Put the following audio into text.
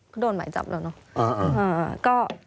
ก็โดนหมายจับแล้วเนอะ